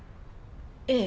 ええ。